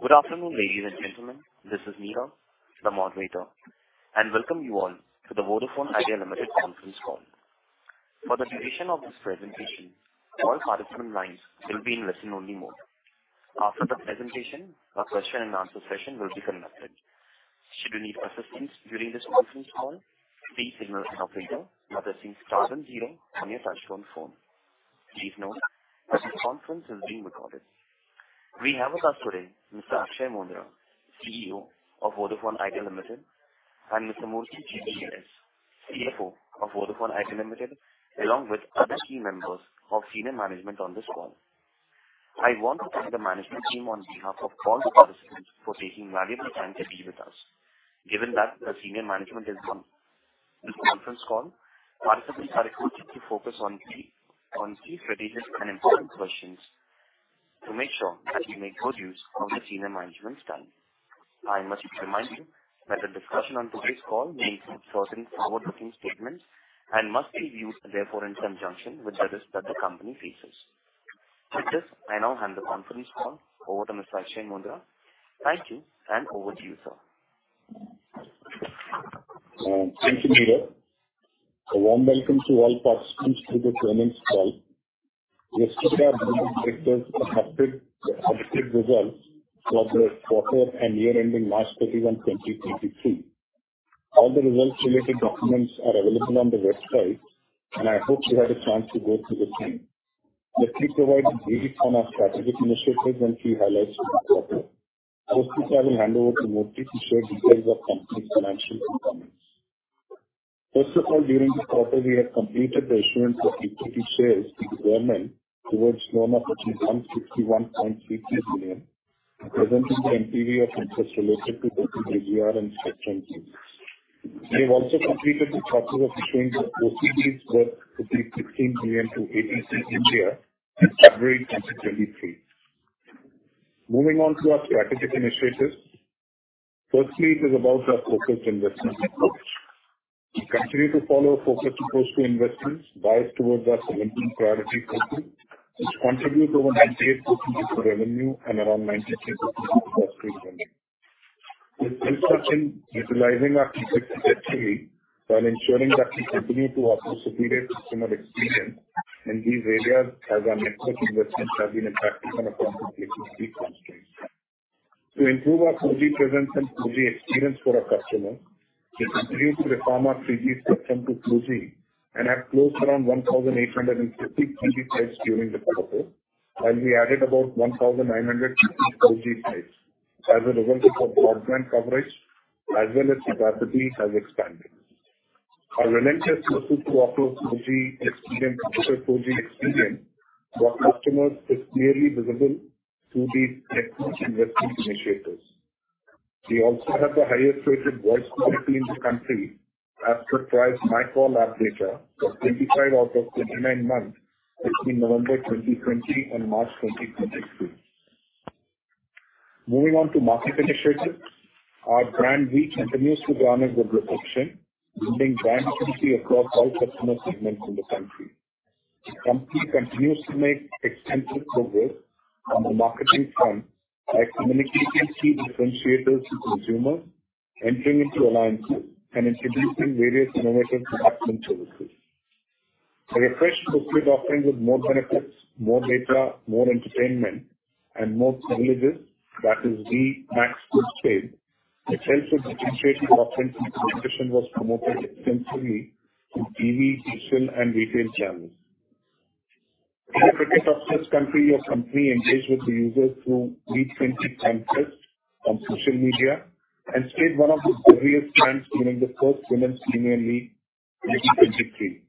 Good afternoon, ladies and gentlemen. This is Neerav, the moderator, and welcome you all to the Vodafone Idea Limited conference call. For the duration of this presentation, all participant lines will be in listen-only mode. After the presentation, a question and answer session will be conducted. Should you need assistance during this conference call, please signal an operator by pressing star then zero on your touchtone phone. Please note that this conference is being recorded. We have with us today Mr. Akshaya Moondra, CEO of Vodafone Idea Limited, and Mr. Murthy G.V.A.S, CFO of Vodafone Idea Limited, along with other key members of senior management on this call. I want to thank the management team on behalf of all the participants for taking valuable time to be with us. Given that, the senior management is on this conference call, participants are requested to focus on key strategic and important questions to make sure that we make good use of the senior management's time. I must remind you that the discussion on today's call may contain certain forward-looking statements and must be viewed therefore in conjunction with others that the company faces. With this, I now hand the conference call over to Mr. Akshaya Moondra. Thank you, and over to you, sir. Thank you, Neerav. A warm welcome to all participants to this earnings call. Yesterday, our Board of Directors accepted the positive results for the quarter and year ending March 31, 2023. All the results related documents are available on the website and I hope you had a chance to go through the same. Let me provide a brief on our strategic initiatives and key highlights for this quarter. First, I will hand over to Murthy to share details of the company's financial performance. First of all, during this quarter, we have completed the issuance of equity shares to the government towards loan of 161.50 billion crores, presenting the NPV of interest related to the AGR and section B. We have also completed the process of issuing OCDs worth INR 16 billion crores to ATC India in February 2023. Moving on to our strategic initiatives. Firstly, it is about our focused investment approach. We continue to follow a focused approach to investments biased towards our 17 priority groups, which contribute over 98% of the revenue and around 93% of cash flow. This results in utilizing our capital effectively by ensuring that we continue to offer superior customer experience in these areas, as our network investments have been impacted on account of the capacity constraints. To improve our 4G presence and 4G experience for our customers, we continue to reform our 3G system to 4G and have closed around 1,850 3G sites during the quarter, while we added about 1,950 4G sites as a result of our broadband coverage as well as capacity has expanded. Our relentless pursuit to offer 4G experience, better 4G experience for customers is clearly visible through these network investment initiatives. We also have the highest rated voice quality in the country as per TRAI MyCall data, 25 months out of 29 months between November 2020 and March 2023. Moving on to market initiatives. Our brand Vi continues to garner good reception, building brand equity across all customer segments in the country. The company continues to make extensive progress on the marketing front by communicating key differentiators to consumers, entering into alliances, and introducing various innovative enhancement services. A refreshed postpaid offering with more benefits, more data, more entertainment, and more privileges, that is Vi Max Postpaid, itself a differentiated offering from the competition was promoted extensively through TV, digital, and retail channels. In the cricket-obsessed country, our company engaged with the users through Vi 20 template on social media and stayed one of the busiest brands during the first Women's Premier League 2023.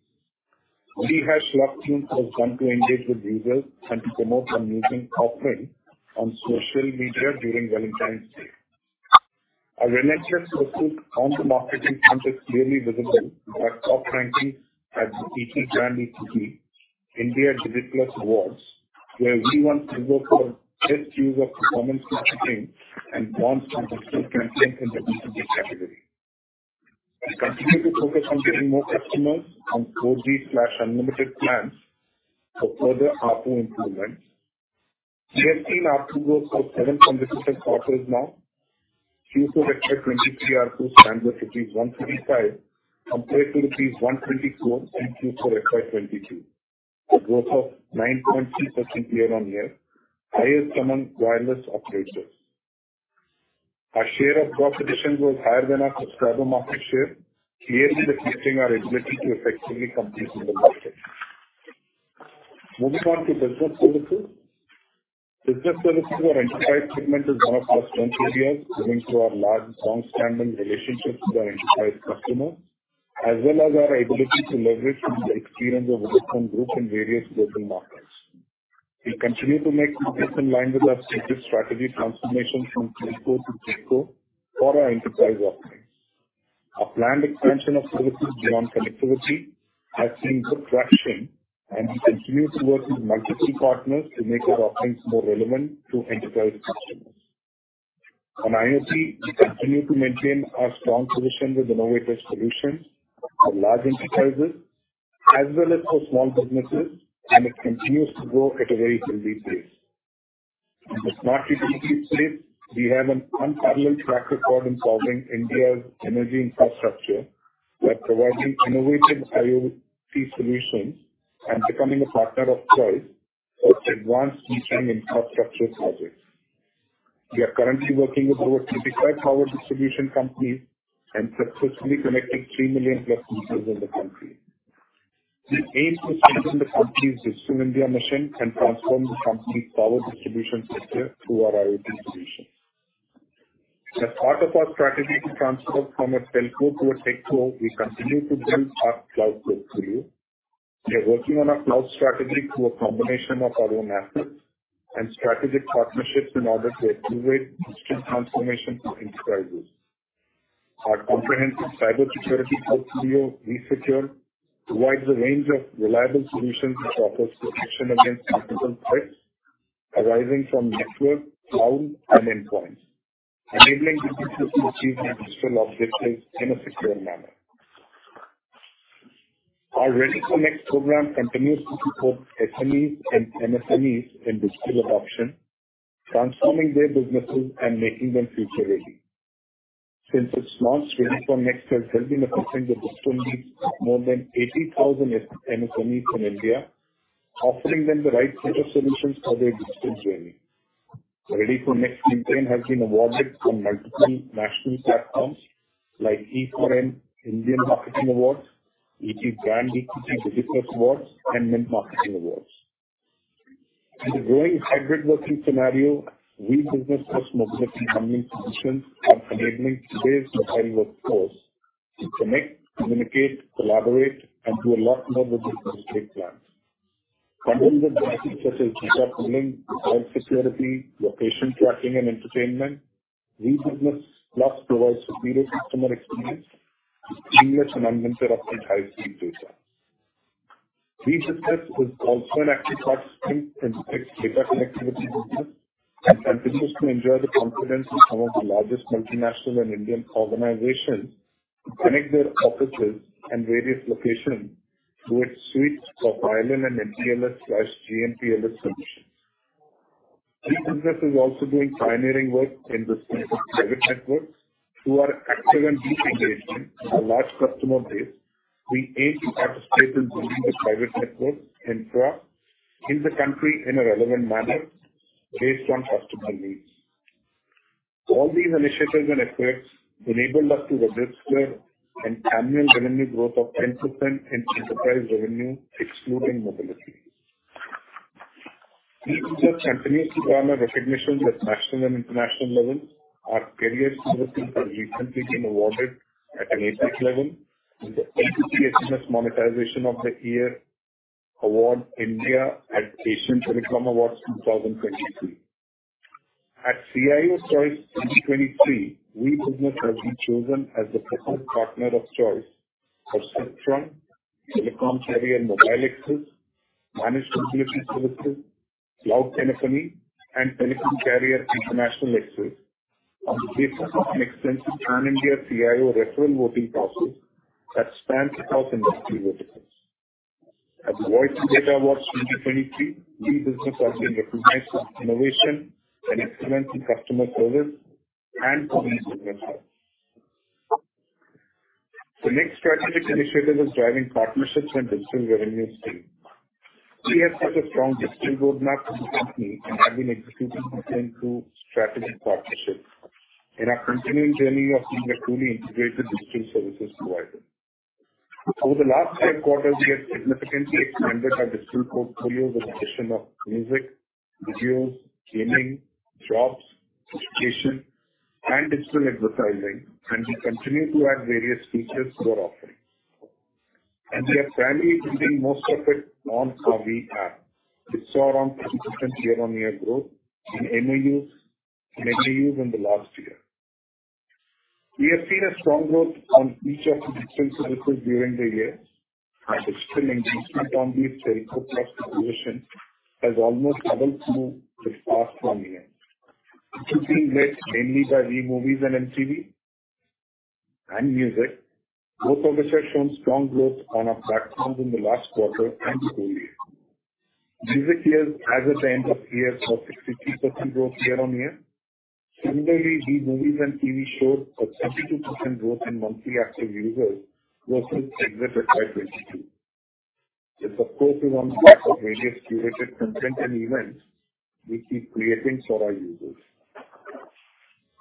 Our team has come to engage with users and to promote our music offering on social media during Valentine's Day. Our relentless pursuit on the marketing front is clearly visible by top ranking at the ET BrandEquity India DigiPlus Awards, where we won silver for best use of performance marketing and bronze for best campaign in the B2B category. We continue to focus on getting more customers on 46 unlimited plans for further ARPU improvement. We have seen ARPU growth for seven consecutive quarters now, Q2 for FY 2023 ARPU stands at INR 135 crores compared to rupees 124 crores in Q2 for FY 2022. A growth of 9.2% year-on-year, highest among wireless operators. Our share of profit addition was higher than our subscriber market share, clearly reflecting our ability to effectively compete in the market. Moving on to business services. Business services or enterprise segment is one of our strength areas, given to our large long-standing relationships with our enterprise customers, as well as our ability to leverage from the experience of Vodafone Group in various global markets. We continue to make progress in line with our strategic strategy transformation from Q3 to Q4 for our enterprise offerings. Our planned expansion of services beyond connectivity has seen good traction. We continue to work with multiple partners to make these offerings more relevant to enterprise customers. On IoT, we continue to maintain our strong position with innovative solutions for large enterprises as well as for small businesses, and it continues to grow at a very healthy pace. In the smart utility space, we have an unparalleled track record in solving India's energy infrastructure by providing innovative IoT solutions and becoming a partner of choice for advanced metering infrastructure projects. We are currently working with over 55 power distribution companies and successfully connecting 3+ million meters in the country. We aim to strengthen the country's Digital India mission and transform the country's power distribution sector through our IoT solution. As part of our strategy to transform from a telco to a techco, we continue to build our cloud portfolio. We are working on a cloud strategy through a combination of our own assets and strategic partnerships in order to activate digital transformation to enterprises. Our comprehensive cybersecurity portfolio, V-Secure, provides a range of reliable solutions that offers protection against multiple threats arising from network, cloud, and endpoints, enabling businesses to achieve their digital objectives in a secure manner. Our ReadyForNext program continues to support SMEs and MSMEs in digital adoption, transforming their businesses and making them future-ready. Since its launch, ReadyForNext has helped in affecting the digital needs of more than 80,000 MSMEs in India, offering them the right set of solutions for their digital journey. ReadyForNext campaign has been awarded on multiple national platforms like e4m Indian Marketing Awards, ET Brand Equity Business Awards, and Mint Marketing Awards. In the growing hybrid working scenario, Vi Business Plus Mobility and Communication are enabling today's mobile workforce to connect, communicate, collaborate, and do a lot more with their corporate plans. Bundled with benefits such as data billing, advanced security, location tracking, and entertainment, Vi Business Plus provides superior customer experience with seamless and uninterrupted high-speed data. Vi Business is also an active participant in fixed data connectivity business and continues to enjoy the confidence of some of the largest multinational and Indian organizations to connect their offices and various locations through its suites of ILAN and MPLS/GMPLS solutions. Vi Business is also doing pioneering work in the space of private networks. Through our active and deep engagement with a large customer base, we aim to participate in building the private network infra in the country in a relevant manner based on customer needs. All these initiatives and efforts enabled us to register an annual revenue growth of 10% in enterprise revenue, excluding mobility. Vi Business continues to garner recognition at national and international levels. Our carrier services recently been awarded at an APAC level in the A2P SMS Monetization of the Year Award, India, at Asian Telecom Awards 2023. At CIO Choice 2023, Vi Business has been chosen as the preferred partner of choice for Spectrum, Telecom Carrier Mobile Access, Managed Facility Services, Cloud Connectivity, and Telecom Carrier International Access on the basis of an extensive Pan-India CIO referral voting process that spans across industry verticals. At the Voice & Data Awards 2023, Vi Business has been recognized for innovation and excellence in customer service and for Vi Business Hub. The next strategic initiative is driving partnerships and digital revenue stream. We have set a strong digital roadmap for the company and have been executing the same through strategic partnerships in our continuing journey of being a truly integrated digital services provider. Over the last five quarters, we have significantly expanded our digital portfolio with addition of music, videos, gaming, shops, education, and digital advertising. We continue to add various features to our offerings. We are proudly building most of it on our Vi app, which saw around 50% year-on-year growth in MAUs and MAU in the last year. We have seen a strong growth on each of the digital services during the year, and digital engagement on the Telco Plus solution has almost doubled from the past one year, driven mainly by Vi Movies and MTV and music. Both of which have shown strong growth on our platforms in the last quarter and the whole year. Music years, as at the end of year, saw 63% growth year-on-year. Similarly, Vi Movies and TV shows saw 72% growth in monthly active users versus December 2022. This, of course, is on the back of various curated content and events we keep creating for our users.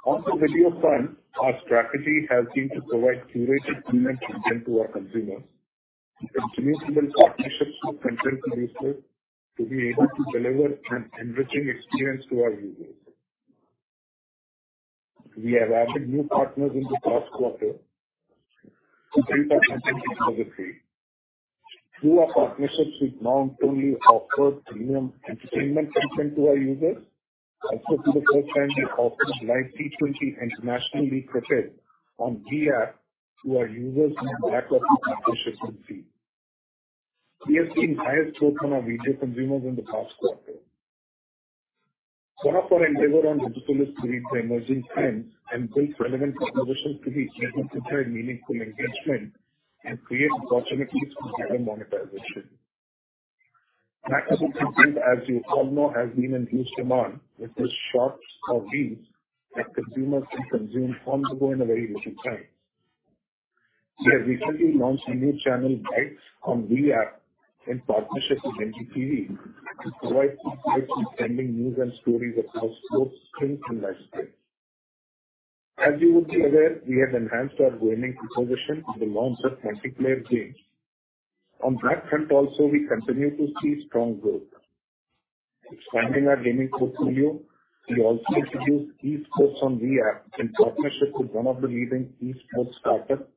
On the video front, our strategy has been to provide curated premium content to our consumers and continue to build partnerships with content producers to be able to deliver an enriching experience to our users. We have added new partners in the past quarter to build our content geography. Through our partnerships, we now only offer premium entertainment content to our users. Also, for the first time, we offered live T20 internationally cricket on Vi app to our users on the back of these partnerships with free. We have seen highest growth on our retail consumers in the past quarter. Now for our endeavor on digital is to read the emerging trends and build relevant propositions to be able to drive meaningful engagement and create opportunities for better monetization. Maximum consume, as you all know, has been in huge demand with the shorts or reels that consumers can consume on the go in a very little time. We have recently launched a new channel, Bytes, on Vi app in partnership with NDTV, to provide insights and trending news and stories across globe, print, and lifestyle. As you would be aware, we have enhanced our gaming proposition with the launch of multiplayer games. On that front also, we continue to see strong growth. Expanding our gaming portfolio, we also introduced Esports on Vi app in partnership with one of the leading Esports startup,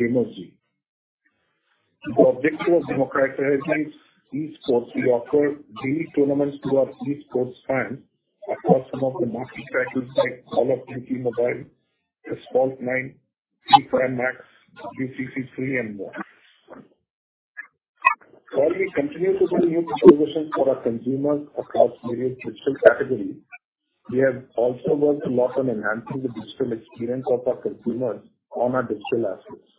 Gamerji. The objective of democratizing Esports, we offer daily tournaments to our Esports fans across some of the multi titles like Call of Duty: Mobile, Asphalt 9, Free Fire MAX, WCC3, and more. While we continue to build new propositions for our consumers across various digital categories, we have also worked a lot on enhancing the digital experience of our consumers on our digital assets,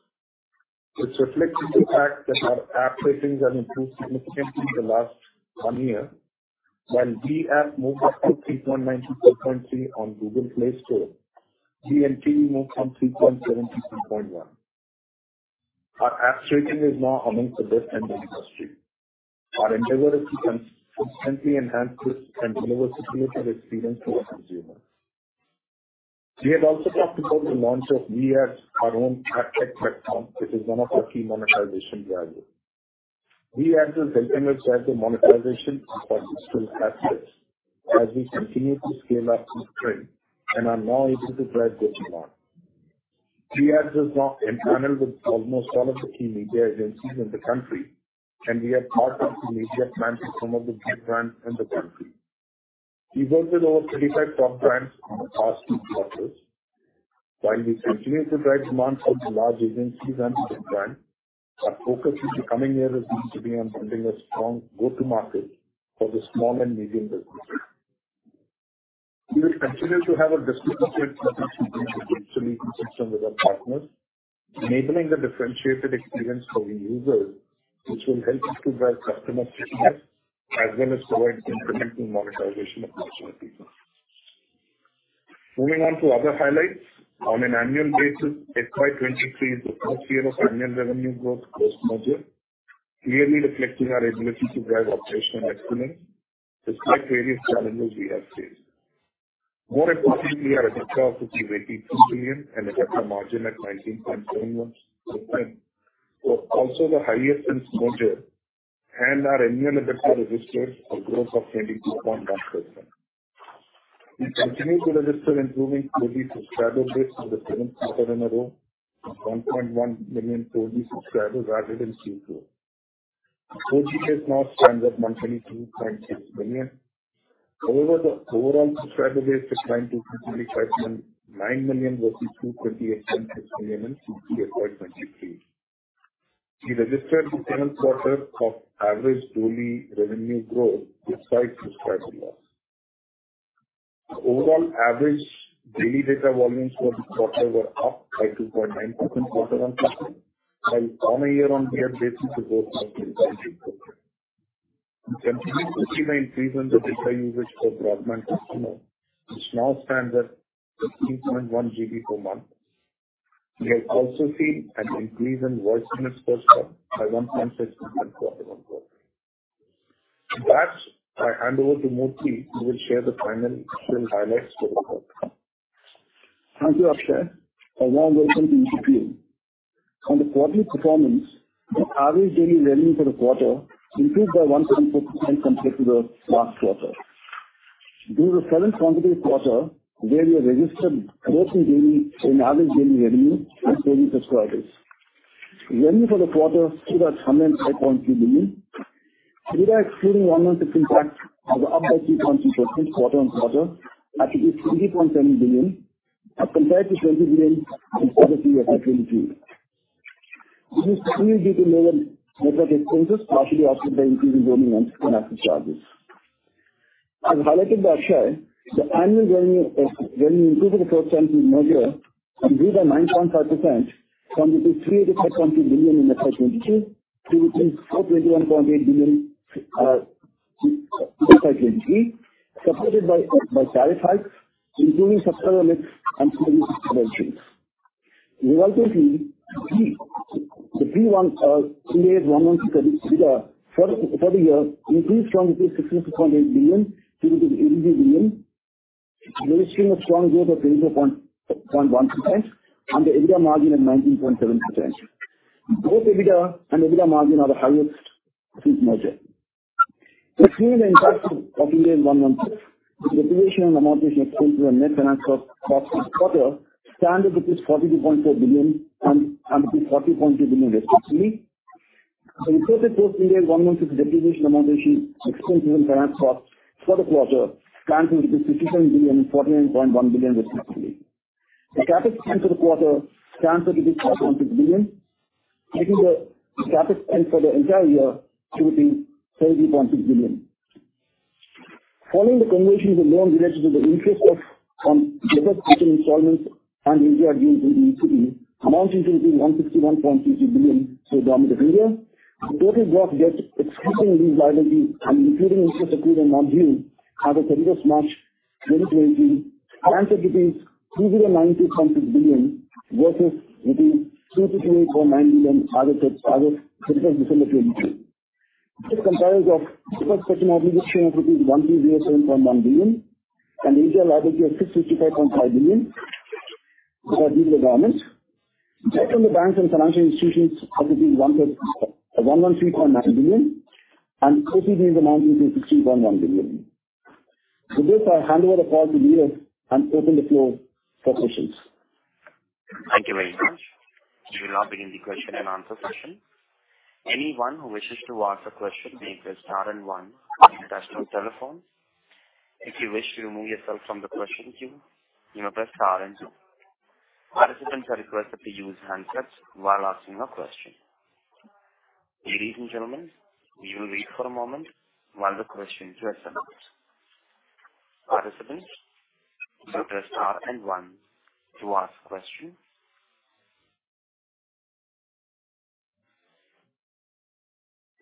which reflects in the fact that our app ratings have improved significantly the last one year. While Vi app moved up to 3.9 to 4.3 on Google Play Store, GMT moved from 3.7 to 3.1. Our app rating is now amongst the best in the industry. Our endeavor is to constantly enhance this and deliver superior experience to our consumers. We have also talked about the launch of Vi Ads, our own ad-tech platform, which is one of our key monetization drivers. Vi Ads is helping us drive the monetization of our digital assets as we continue to scale up through trend and are now able to drive this demand. Vi Ads is now empaneled with almost all of the key media agencies in the country, and we are part of the media plans of some of the big brands in the country. We worked with over 35 top brands in the past two quarters. While we continue to drive demand from the large agencies and brands, our focus in the coming years needs to be on building a strong go-to-market for the small and medium businesses. We will continue to have a differentiated approach to doing solution system with our partners, enabling the differentiated experience for the users, which will help us to drive customer stickiness as well as provide incremental monetization of customer people. Moving on to other highlights. On an annual basis, FY 2023 is the first year of annual revenue growth post merger, clearly reflecting our ability to drive operational excellence despite various challenges we have faced. More importantly, we are at a profit of INR 583 billion crores and a better margin at 19.7%. Also the highest since merger and our annual EBITDA registered a growth of 22.1%. We continue to register improving total subscriber base for the seventh quarter in a row, with 1.1 million total subscribers added in Q2. Our 4G base now stands at 122.6 billion. However, the overall subscriber base declined to 225.9 million versus 228.6 million in FY 2023. We registered the seventh quarter of average daily revenue growth despite subscriber loss. The overall average daily data volumes for the quarter were up by 2.9% quarter-on-quarter, while on a year-on-year basis, it was up by 20%. We continue to see the increase in the data usage for broadband customers, which now stands at 15.1 GB per month. We have also seen an increase in voice minutes per month by 1.6% quarter-on-quarter. With that, I hand over to Murthy, who will share the final highlights for the quarter. Thank you, Akshaya. A warm welcome to BTU. On the quarterly performance, the average daily revenue for the quarter increased by 1.4% compared to the last quarter. This is the seventh consecutive quarter where we have registered growth in average daily revenue and daily subscribers. Revenue for the quarter stood at 105.3 billion crores. EBITDA excluding one-month impact was up by 3.2% quarter on quarter, at 83.7 billion crores, as compared to 20 billion crores in FY 2023. This is due to lower network expenses, partially offset by increasing roaming and inactive charges. As highlighted by Akshaya, the annual revenue increased for the first time since merger, and grew by 9.5% from 387.2 billion crores in FY 2022 to 3,421.8 billion crores in FY 2023, supported by tariff hikes, improving subscriber mix, and improving subscription. We also see the Ind AS 116 for the year increased from 66.8 billion crores to 80 billion crores, registering a strong growth of 20.1% and the EBITDA margin at 19.7%. Both EBITDA and EBITDA margin are the highest since merger. Excluding the impact of Ind AS 116, the depreciation and amortization expense and net finance costs for this quarter stand at rupees 42.4 billion crores and rupees 40.2 billion crores, respectively. The interested post India one month six depreciation, amortization, expense and finance costs for the quarter stands at 57 billion crores and 49.1 billion crores, respectively. The capital spend for the quarter stands at 8.6 billion crores, making the capital spend for the entire year to be 30.6 billion crores. Following the conversion of the loan related to the interest on installments and India deals in the equity, amounts including INR 151.6 billion crores to the Government of India. The total debt, excluding these liabilities and including interest accrued and not due as of 31st March, 2020, stands at between INR 3,906 billion crores versus between 2.49 billion crores as of December 2022. It compares of first person obligation of 1,207.1 billion crores and India liability of 655.5 billion crores to the Government. Debt from the banks and financial institutions are between 113.9 billion crores and OCD amount is 61.1 billion crores. With this, I'll hand over the call to Neerav and open the floor for questions. Thank you very much. We will now begin the question and answer session. Anyone who wishes to ask a question, may press star and one on your telephone. If you wish to remove yourself from the question queue, you may press star and two. Participants are requested to use handsets while asking a question. Ladies and gentlemen, we will wait for a moment while the questions are set up. Participants, you press star and one to ask questions.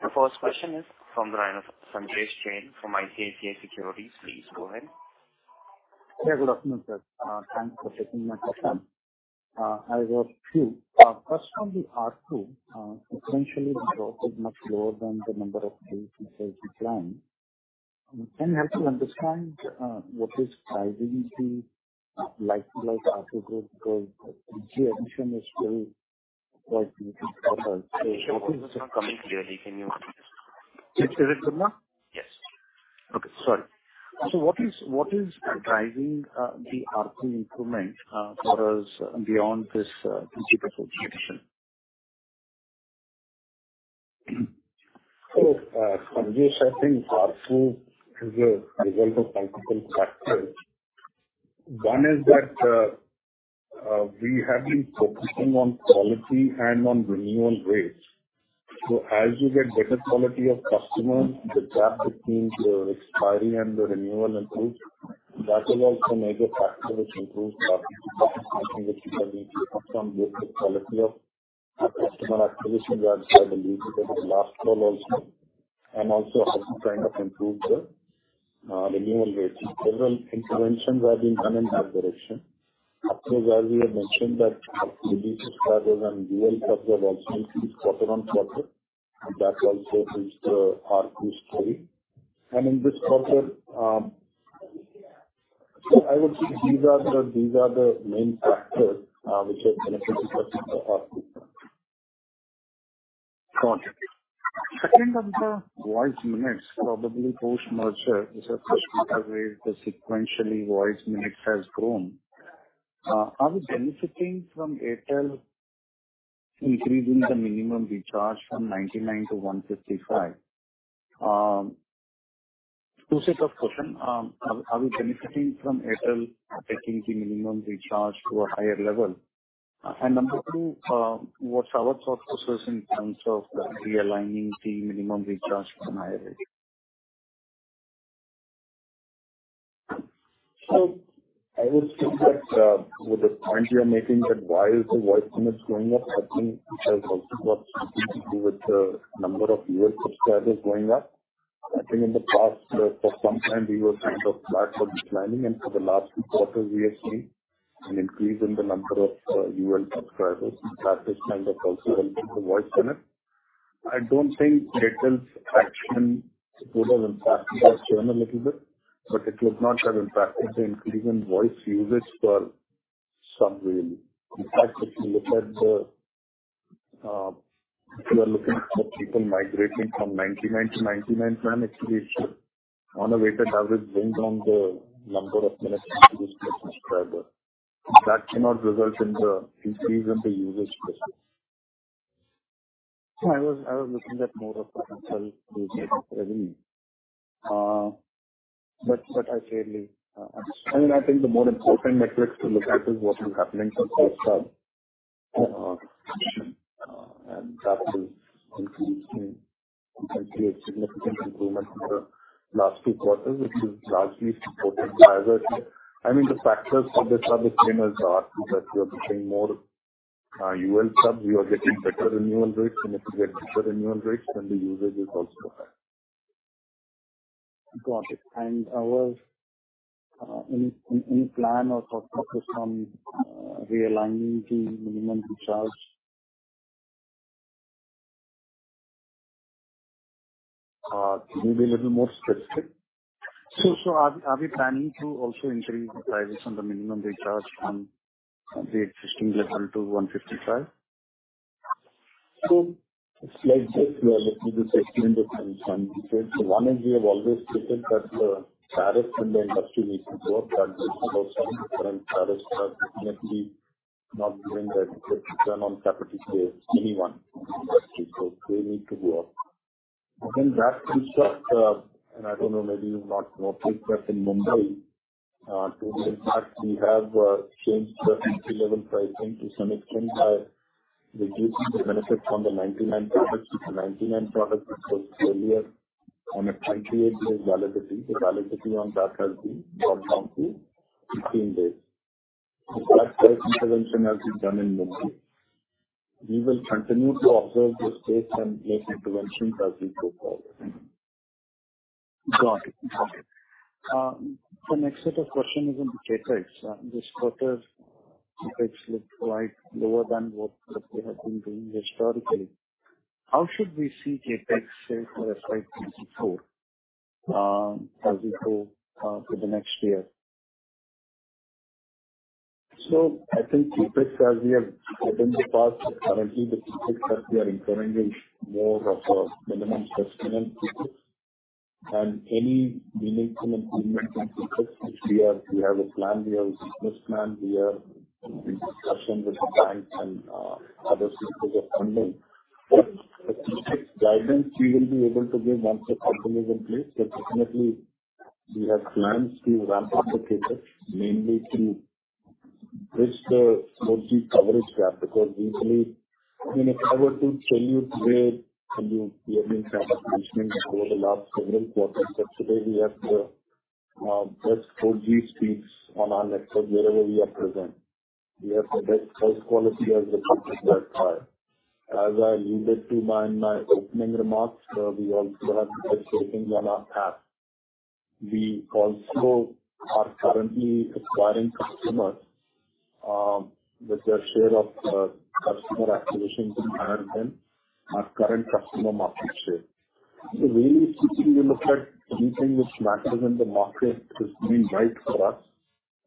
The first question is from Sanjesh Jain from ICICI Securities. Please go ahead. Yeah. Good afternoon, sir. Thanks for taking my question. I have two. First, from the ARPU, sequentially the growth is much lower than the number of days since you planned. Can you help me understand what is driving the like ARPU growth? Because the admission is still quite. Sorry, you are not coming clearly. Is it good now? Yes. Okay, sorry. What is driving the ARPU improvement for us beyond this previous association? Sanjay, I think ARPU is a result of multiple factors. One is that we have been focusing on quality and on renewal rates. As you get better quality of customers, the gap between the expiry and the renewal improves. That is also major factor which improves ARPU, which you can improve from the quality of our customer acquisition, which I believe last call also, and also has kind of improved the renewal rates. Several interventions are being done in that direction. As well, we have mentioned that subscribers and dual subscribers also increase quarter-on-quarter. That also is the ARPU story. In this quarter, I would say these are the main factors which have benefit the ARPU. Got you. Second on the voice minutes, probably post-merger is a question, because the sequentially voice minutes has grown. Are we benefiting from Airtel increasing the minimum recharge from 99 crores to 155 crores? Two set of question. Are we benefiting from Airtel taking the minimum recharge to a higher level? Number two, what's our thought process in terms of realigning the minimum recharge from higher rate? I would think that, with the point you're making, that why is the voice minutes going up? I think it has also got something to do with the number of U.S. subscribers going up. I think in the past, for some time we were kind of flat or declining, and for the last two quarters we have seen an increase in the number of U.S. subscribers. That is kind of also helping the voice minute. I don't think Airtel's action would have impacted us a little bit, but it would not have impacted the increase in voice usage for some reason. In fact, if you look at the, if you are looking at people migrating from 99 to 99 plan, actually it should on a weighted average bring down the number of minutes per subscriber. That cannot result in the increase in the usage. I was looking at more of the potential to generate revenue, but I clearly. I mean, I think the more important metrics to look at is what is happening to post, and that is increasing and create significant improvement in the last two quarters, which is largely supported by that. I mean, the factors for this are the same as our, that we are becoming more UL subs, we are getting better renewal rates, and if you get better renewal rates, then the usage is also high. Got it. Our any plan or focus on realigning the minimum recharge? Can you be a little more specific? Are we planning to also increase the price on the minimum recharge from the existing level to 155? Like this, let me just explain the situation. One is, we have always stated that the tariffs in the industry need to go up, and current tariffs are definitely not giving the return on capital to anyone in the industry, so they need to go up. Again, that itself, and I don't know, maybe you're not more clear in Mumbai. To the impact, we have changed the entry-level pricing to some extent by reducing the benefit from the 99 product. The 99 product, which was earlier on a 28 days validity. The validity on that has been brought down to 15 days. That first intervention has been done in Mumbai. We will continue to observe the space and make interventions as we go forward. Got it. Okay. The next set of question is on the CapEx. This quarter, CapEx looked quite lower than what we have been doing historically. How should we see CapEx, say, for FY 2024, as we go to the next year? I think CapEx, as we have done in the past, currently, the CapEx that we are incurring is more of a minimum sustainable CapEx and any meaningful improvement in CapEx, which we have, we have a plan, we have a business plan here, we are in discussion with the banks and other sources of funding. The CapEx guidance, we will be able to give once the company is in place. Definitely we have plans to ramp up the CapEx, mainly to bridge the 4G coverage gap, because usually, I mean, if I were to tell you today, we have been kind of mentioning over the last several quarters, that today we have best 4G speeds on our network wherever we are present. We have the best price quality as a company that far. As I alluded to my opening remarks, we also have the best ratings on our path. We also are currently acquiring customers, with their share of customer activations higher than our current Customer Market Share. Really, seeking, we look at anything which matters in the market is doing right for us.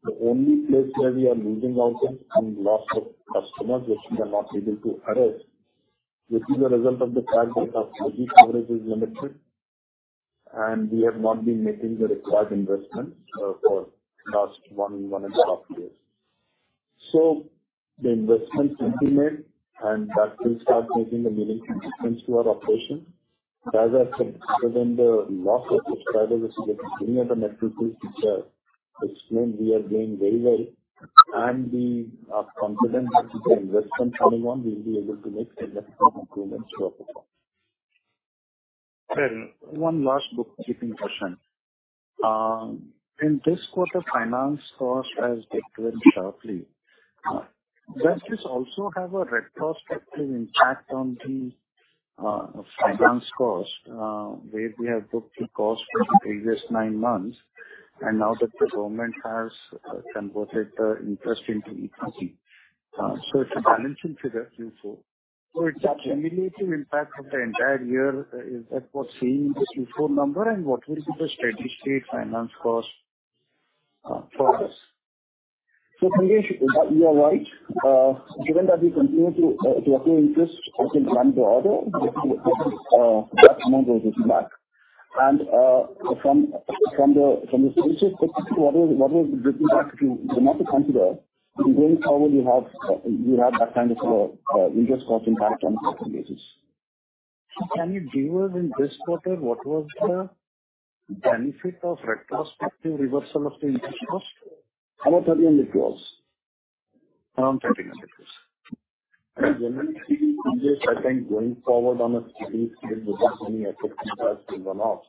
The only place where we are losing out is on loss of customers, which we are not able to arrest, which is a result of the fact that our 4G coverage is limited, and we have not been making the required investments, for last 1.5 years. The investments will be made and that will start making a meaningful difference to our operation. As I said, even the loss of subscribers is getting at a net rooted, which means we are doing very well, and we are confident that with the investment coming on, we will be able to make a net improvement to our performance. One last bookkeeping question. In this quarter, finance cost has declined sharply. Does this also have a retrospective impact on the finance cost where we have booked the cost for the previous nine months and now that the government has converted the interest into equity. It's a balancing figure Q4. It's a cumulative impact of the entire year. Is that what's seeing this Q4 number? What will be the steady state finance cost for us? Sanjesh, you are right. Given that we continue to accrue interest from one to other, that amount goes back. From the stages, particularly what was written back to, you know, not to come to the going forward, you have that kind of interest cost impact on the basis. Can you give us in this quarter what was the benefit of retrospective reversal of the interest cost? About INR 30 million crores it was. Around INR 30 million crores. It was, generally speaking, I think going forward on a steady state, it would only affect as a one-off.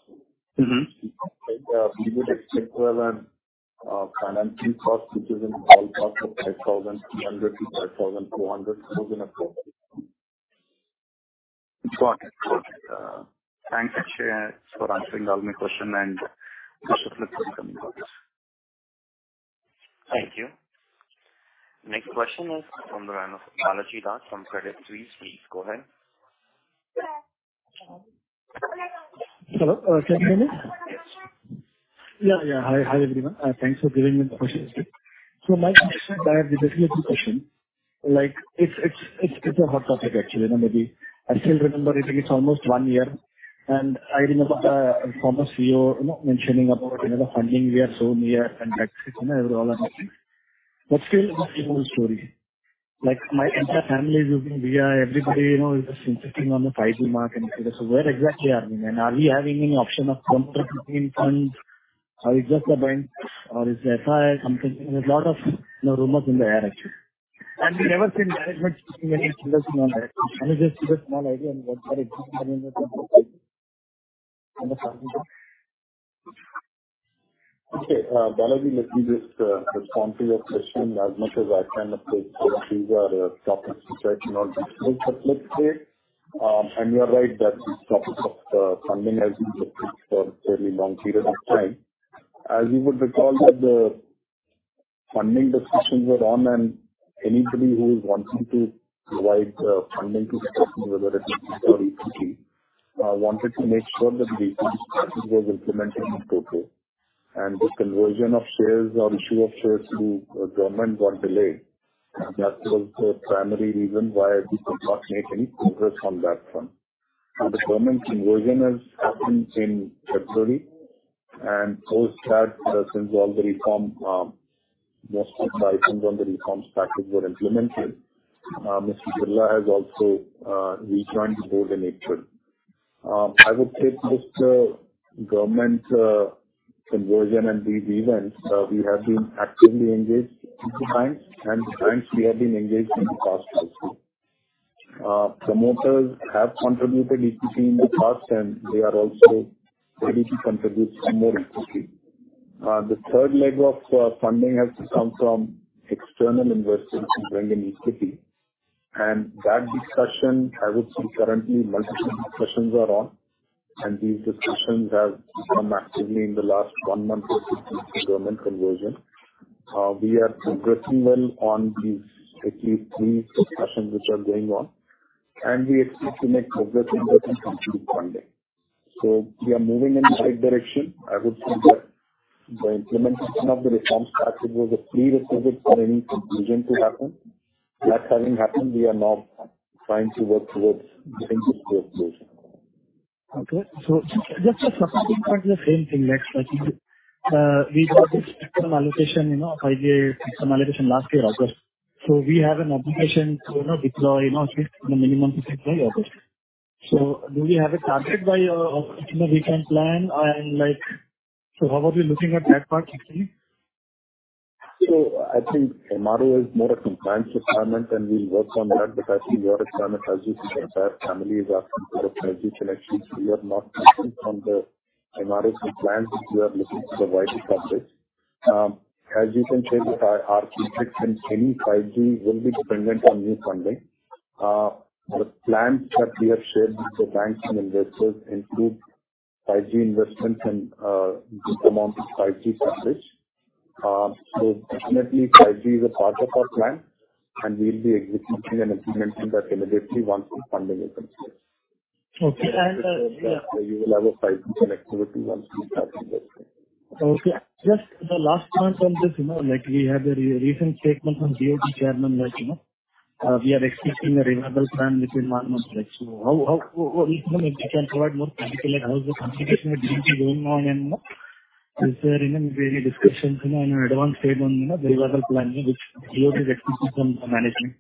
We would expect well, financing cost, which is in the cost of 5,300 million crores to 5,200 million crores appropriate. Got it. Got it. Thanks, Akshaya, for answering all my question and wish you luck for the coming quarters. Thank you. Next question is from the line of Balaji Vysya from Credit Suisse, please go ahead. Hello, can you hear me? Yes. Yeah. Hi, everyone. Thanks for giving me the question. My question, I have basically two question. Like, it's a hot topic, actually, you know, maybe I still remember it's almost one year, and I remember, former CEO, you know, mentioning about, you know, the funding we are so near, and that's, you know, all amazing. Still, it's an old story. Like, my entire family is using Vi. Everybody, you know, is insisting on the 5G mark and where exactly are we? Are we having any option of promoting funds, or it's just the bank, or is it FI something? There's a lot of, you know, rumors in the air, actually. We never seen management speaking any clearly on that. Can you just give a small idea on what are existing? Okay, Balaji, let me just respond to your question as much as I can. Of course, these are topics which I do not discuss publicly. You are right that this topic of funding has been for a very long period of time. As you would recall, that the funding discussions were on and anybody who is wanting to provide funding to discussion, whether it's or equity, wanted to make sure that the was implemented in total. The conversion of shares or issue of shares to government got delayed. That was the primary reason why we could not make any progress on that front. Now, the government conversion has happened in February, and post that, since all the reform, most of the items on the reforms package were implemented. Mr. Birla has also rejoined the board in April. I would say this government conversion and these events, we have been actively engaged in the banks, and the banks we have been engaged in the past also. Promoters have contributed equity in the past and they are also ready to contribute some more equity. The third leg of funding has to come from external investors to bring in equity. That discussion, I would say currently multiple discussions are on and these discussions have come actively in the last one month since the government conversion. We are progressing well on these at least three discussions which are going on and we expect to make progress in that and complete funding. We are moving in the right direction. I would say that the implementation of the reforms package was a prerequisite for any conclusion to happen. That having happened, we are now trying to work towards getting this to a close. Okay. Just a subsequent point to the same thing, like, I think, we got this spectrum allocation, you know, five-year allocation last year, August. We have an obligation to, you know, deploy, at least in a minimum to deploy, August. Do we have a target by, you know, we can plan and, like? How are we looking at that part, actually? I think MRO is more a compliance requirement, and we'll work on that. I think our strategy as a entire family is our strategy, connection. We are not focusing on the MRO compliance, if you are looking to provide the coverage. As you can say, by our architect and any 5G will be dependent on new funding. The plans that we have shared with the banks and investors include 5G investments and good amount of 5G coverage. Definitely 5G is a part of our plan, and we'll be executing and implementing that immediately once the funding is in place. Okay. You will have a 5G connectivity once we start investing. Okay, just the last point on this, you know, like we had a recent statement from DOT Chairman, like, you know, we are expecting a revival plan within one month. Like, how we can provide more clarity, like, how is the consideration of DoT going on, and, you know, is there any discussions and advanced statement, you know, revival plan, which DoT is expecting from the management?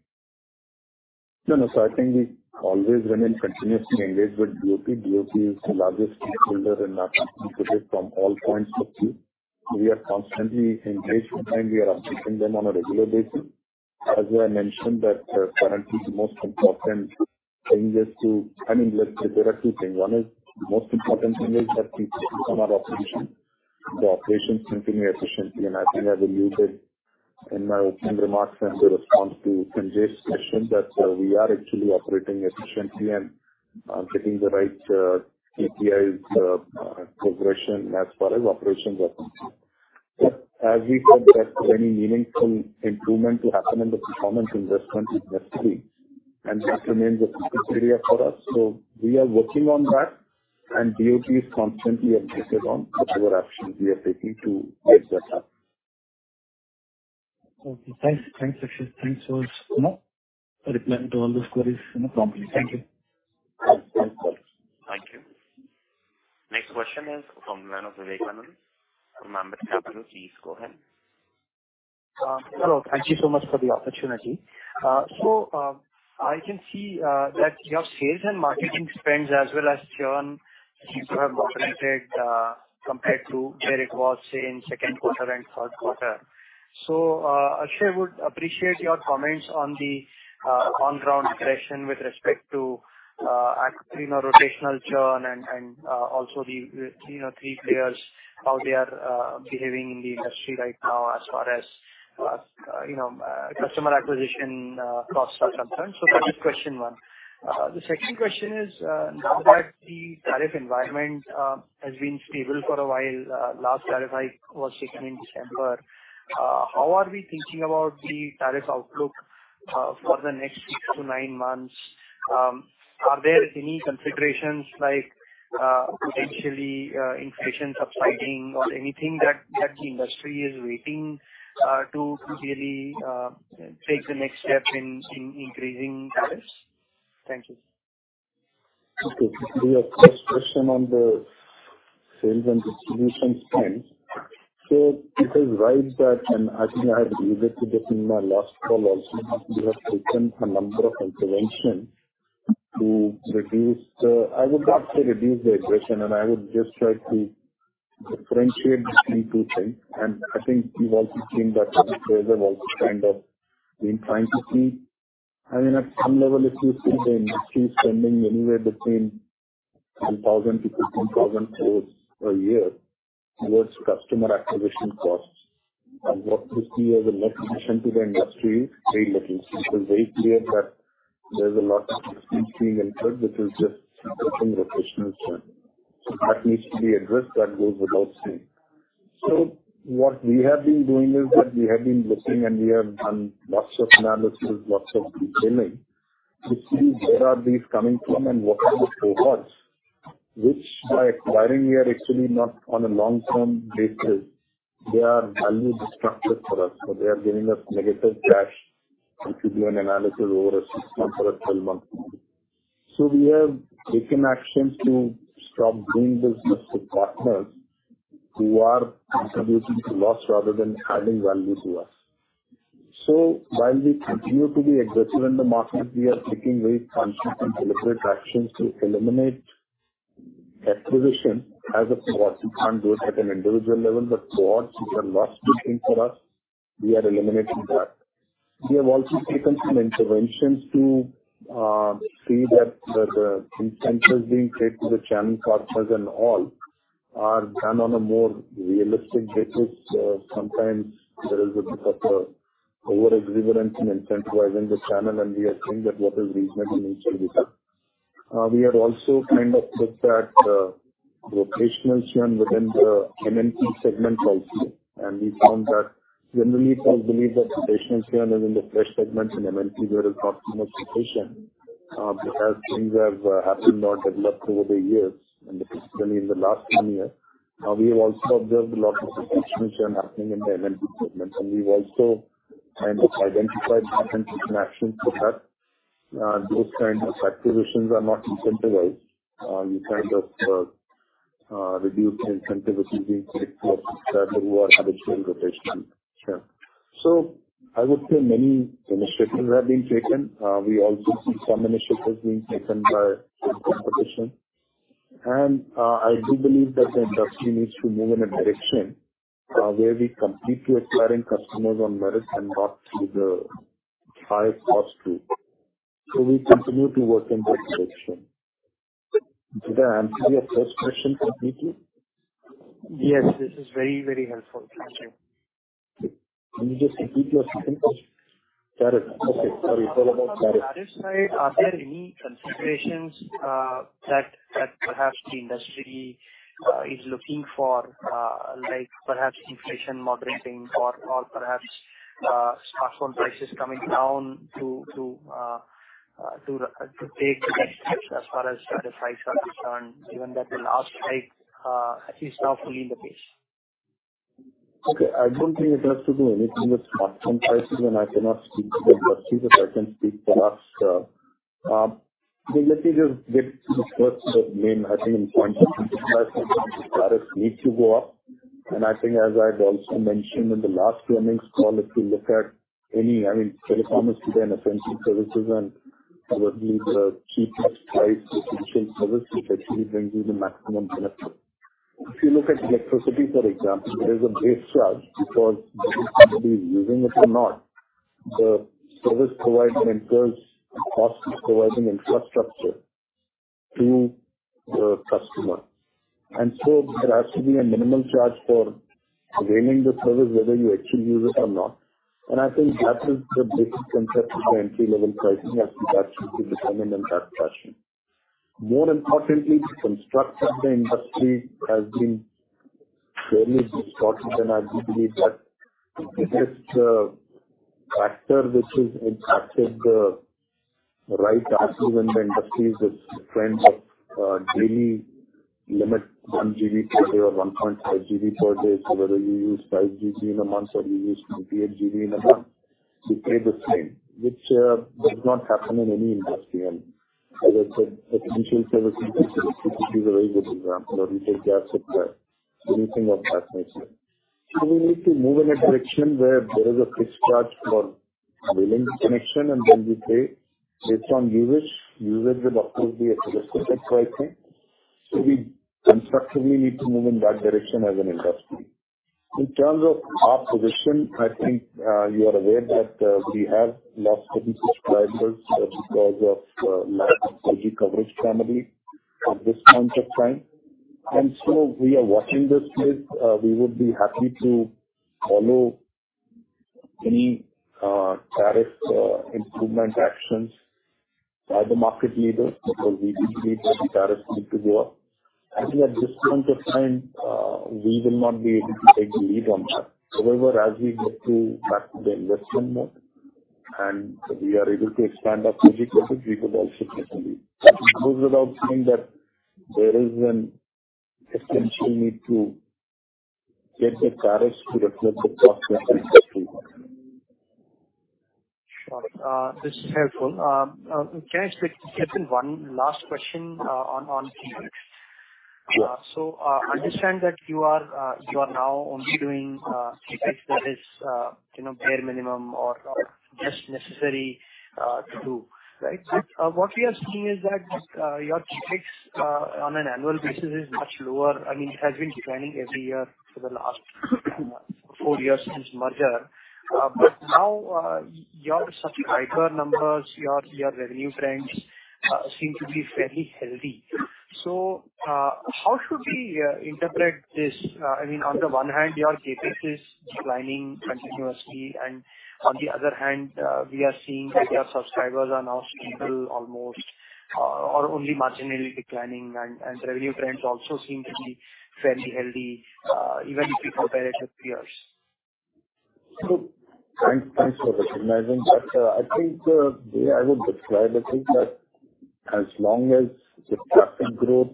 No, no. I think we always remain continuously engaged with DoT. DoT is the largest stakeholder in our from all points of view. We are constantly engaged, and we are updating them on a regular basis. As I mentioned that, currently the most important thing is to, I mean, let's say there are two things. One is most important thing is that we become our operation. The operations continue efficiently, and I think I've alluded in my opening remarks and the response to Sanjay's question, that we are actually operating efficiently and getting the right KPIs progression as far as operations are concerned. But as we said, that for any meaningful improvement to happen in the performance, investment is necessary, and that remains a focus area for us. We are working on that and DoT is constantly updated on the actions we are taking to get that up. Okay, thanks. Thanks, Akshaya. Thanks for, you know, replying to all those queries, you know, promptly. Thank you. Thanks. Thank you. Next question is from Vivek Pharikal from Ambit Capital. Please go ahead. Hello. Thank you so much for the opportunity. I can see that your sales and marketing spends as well as churn, these were moderated compared to where it was, say, in second quarter and third quarter. I sure would appreciate your comments on the on ground direction with respect to, you know, rotational churn and also the, you know, three players, how they are behaving in the industry right now as far as, you know, customer acquisition costs are concerned. That is question one. The second question is, now that the tariff environment has been stable for a while, last tariff hike was taken in December, how are we thinking about the tariff outlook for the next six to nine months? Are there any considerations like, potentially, inflation subsiding or anything that the industry is waiting, to really, take the next step in increasing tariffs? Thank you. Your first question on the sales and distribution spend. It is right that, I think I've alluded to this in my last call also, we have taken a number of interventions to reduce the, I would not say reduce the aggression, and I would just try to differentiate between two things. I think you've also seen that other players have also kind of been trying to see. I mean, at some level, if you see the industry spending anywhere between 10,000 crores to 15,000 crores per year towards customer acquisition costs, and what you see as a net addition to the industry is very little. It is very clear that there's a lot of efficiency involved, which is just rotational churn. That needs to be addressed. That goes without saying. What we have been doing is that we have been looking, and we have done lots of analysis and lots of detailing to see where are these coming from, and what are the cohorts, which by acquiring, we are actually not on a long-term basis, they are value destructive for us, so they are giving us negative cash, if you do an analysis over a six month or a 12 month. We have taken action to stop doing business with partners who are contributing to loss rather than adding value to us. While we continue to be aggressive in the market, we are taking very conscious and deliberate actions to eliminate acquisition as a cohort. You can't do it at an individual level but cohorts which are loss-making for us, we are eliminating that. We have also taken some interventions to see that incentives being paid to the channel partners and all are done on a more realistic basis. Sometimes there is a bit of over-exuberance in incentivizing this channel, and we are seeing that what is reasonable and what is not. We have also kind of looked at rotational churn within the MNP segment also, and we found that generally it is believed that rotational churn is in the fresh segments in MNP where is optimal rotation. Because things have happened or developed over the years and especially in the last one year, we have also observed a lot of rotational churn happening in the MNP segment, and we've also kind of identified actions for that. Those kinds of acquisitions are not incentivized. You kind of, reduce the incentives which is being paid for subscribers who are having churn rotation. Sure. I would say many initiatives have been taken. We also see some initiatives being taken by the competition. I do believe that the industry needs to move in a direction, where we completely acquiring customers on merit and not through the higher cost route. We continue to work in that direction. Did I answer your first question completely? Yes, this is very, very helpful. Thank you. Can you just repeat your second question? Tariff. Okay, sorry. It's all about tariff. Tariff side, are there any considerations that perhaps the industry is looking for, like perhaps inflation modeling or perhaps smartphone prices coming down to take the next steps as far as the tariffs are concerned, given that the last hike is now fully in the page? Okay. I don't think it has to do anything with smartphone prices, and I cannot speak to the industry, but I can speak to us. Let me just get to the first main, I think, important point. Tariffs need to go up, and I think as I've also mentioned in the last earnings call, if you look at any, I mean, telecom is today an essential services and probably the cheapest price potential service, which actually brings you the maximum benefit. If you look at electricity, for example, there is a base charge because whether you are using it or not, the service provider incurs a cost of providing infrastructure to the customer. There has to be a minimum charge for availing the service, whether you actually use it or not. I think that is the basic concept of our entry-level pricing, as that should be determined in that fashion. More importantly, the construct of the industry has been fairly distorted, and I do believe that this factor, which is impacted the right assets in the industry, is the trend of daily limit, 1 GB per day or 1.5 GB per day. Whether you use 5 GB in a month or you use 28 GB in a month, you pay the same, which does not happen in any industry. As I said, potential services, which is available, for example, you take gas or anything of that nature. We need to move in a direction where there is a fixed charge for availing the connection, and then you pay based on usage. Usage would of course, be a realistic type pricing. We constructively need to move in that direction as an industry. In terms of our position, I think, you are aware that, we have lost some subscribers because of lack of 4G coverage primarily at this point of time. We are watching this space. We would be happy to follow any, tariff, improvement actions by the market leaders, because we do believe that the tariffs need to go up. I think at this point of time, we will not be able to take the lead on that. However, as we get to back to the investment mode and we are able to expand our 4G coverage, we could also take the lead. That goes without saying that there is an essential need to get the tariffs to reflect the cost of infrastructure. This is helpful. Can I just ask one last question on CapEx? Yeah. I understand that you are now only doing CapEx that is, you know, bare minimum or just necessary to do, right? What we are seeing is that your CapEx on an annual basis is much lower, and it has been declining every year for the last four years since the merger. Now, your subscriber numbers, your revenue trends seem to be very healthy. How should we interpret this? I mean, on the one hand, your CapEx is declining continuously, and on the other hand, we are seeing that your subscribers are now stable, almost, or only marginally declining, and revenue trends also seem to be fairly healthy, even if you compare it with previous. Thanks for recognizing that. I think the way I would describe the thing that as long as the traffic growth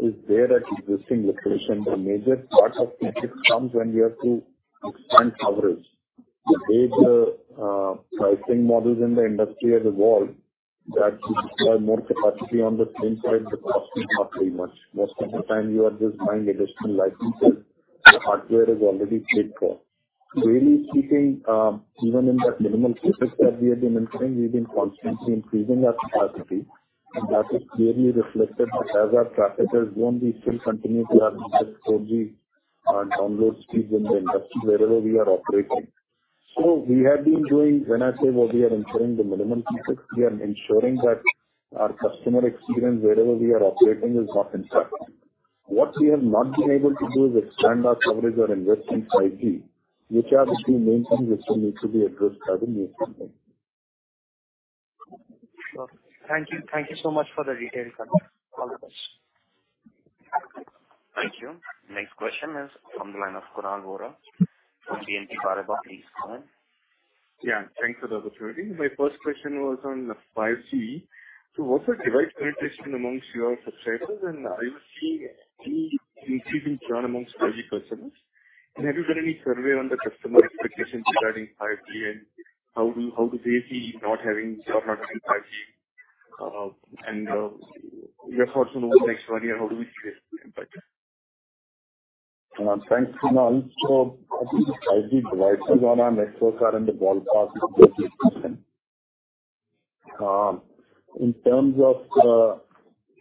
is there at existing location, the major part of CapEx comes when you have to expand coverage. As the pricing models in the industry have evolved, that you require more capacity on the same side, the costs are not very much. Most of the time you are just buying additional licenses, the hardware is already paid for. Really speaking, even in that minimal CapEx that we have been incurring, we've been constantly increasing our capacity, and that is clearly reflected that as our traffic has grown, we still continue to have the best 4G download speeds in the industry wherever we are operating. When I say what we are ensuring the minimum CapEx, we are ensuring that our customer experience wherever we are operating is not impacted. What we have not been able to do is expand our coverage or invest in 5G, which are the two main things which still needs to be addressed by the new company. Well, thank you. Thank you so much for the detailed comment. All the best. Thank you. The next question is from the line of Kunal Vora from BNP Paribas. Please go on. Yeah, thanks for the opportunity. My first question was on the 5G. What's the device penetration amongst your subscribers, and are you seeing any increasing trend amongst 5G customers? Have you done any survey on the customer expectations regarding 5G, and how do they see not having 5G, your thoughts on over the next one year, how do we see it impacted? Thanks, Kunal. I think 5G devices on our networks are in the ballpark of 30%. In terms of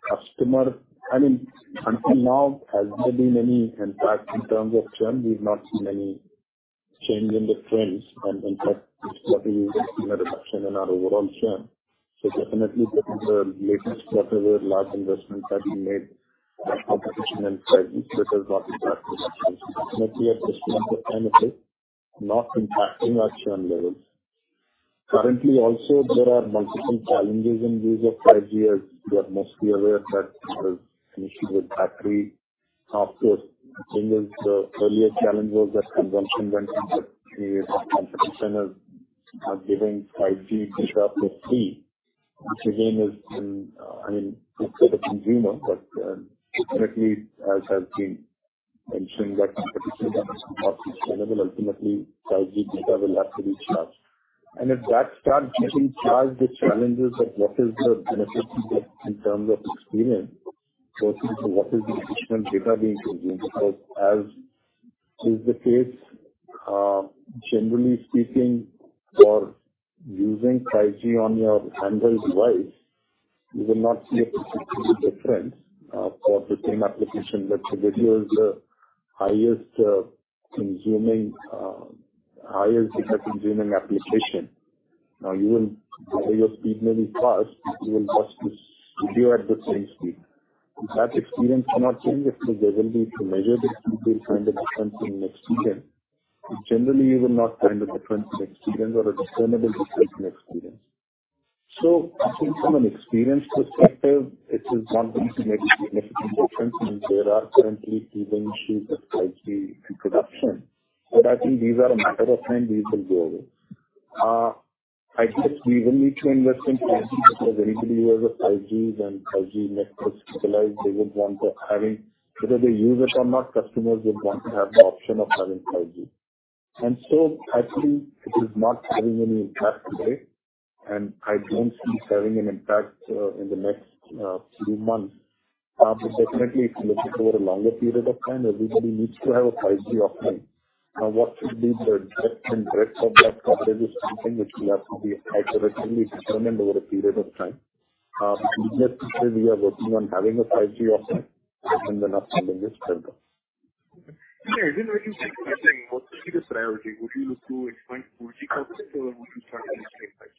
customer, I mean, until now, has there been any impact in terms of churn? We've not seen any change in the trends, and in fact, it's what we see a reduction in our overall churn. Definitely, the latest, whatever large investments that we made, our competition and 5G, that has not impacted us. Definitely, at this point of time, it is not impacting our churn levels. Currently, also, there are multiple challenges in ways of 5G, as you are mostly aware, that there is an issue with battery. After earlier challenge was that consumption went into the competition of giving 5G data for free, which again, is in, I mean, good for the consumer, but definitely, as I've been mentioning, that competition is not sustainable. Ultimately, 5G data will have to be charged. If that starts getting charged, the challenges of what is the benefit in terms of experience versus what is the additional data being consumed, because as is the case, generally speaking, for using 5G on your Android device, you will not see a particular difference for the same application. Video is the highest consuming highest data consuming application. Your speed may be fast, you will just be video at the same speed. If that experience cannot change, if there will be to measure the speed, find the difference in experience. Generally, you will not find a difference in experience or a discernible difference in experience. I think from an experience perspective, it is one thing to make a significant difference, and there are currently even issues of 5G introduction, but I think these are a matter of time, these will go away. We will need to invest in 5G because everybody who has a 5G and 5G networks utilized, they would want to Whether they use it or not, customers would want to have the option of having 5G. I think it is not having any impact today and I don't see it having an impact in the next few months. Definitely, if you looking over a longer period of time, everybody needs to have a 5G option. What should be the direct and direct of that coverage is something which we have to be iteratively determined over a period of time. We are working on having a 5G option and then expanding it further. Yeah. In what you say, what is the priority? Would you look to expand 4G coverage or would you start with 5G?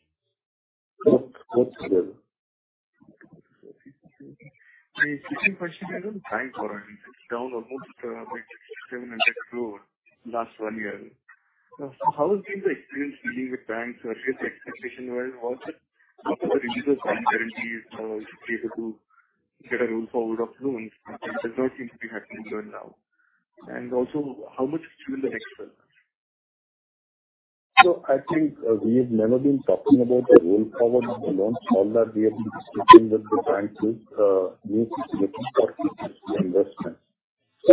Both, both together. My second question is on bank borrowing. It's down almost by 700 crores last one year. How has been the experience dealing with banks or get the expectation well, what are the user guarantees to be able to get a roll forward of loans? It does not seem to be happening right now. Also, how much is still the next step? I think, we have never been talking about the roll forward of the loans. All that we have been discussing with the banks is new working capital investment.